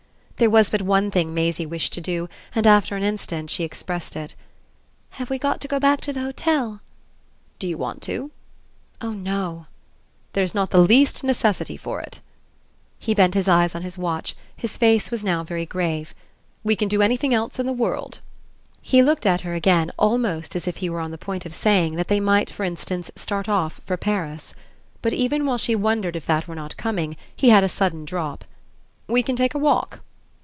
There was but one thing Maisie wished to do, and after an instant she expressed it. "Have we got to go back to the hotel?" "Do you want to?" "Oh no." "There's not the least necessity for it." He bent his eyes on his watch; his face was now very grave. "We can do anything else in the world." He looked at her again almost as if he were on the point of saying that they might for instance start off for Paris. But even while she wondered if that were not coming he had a sudden drop. "We can take a walk."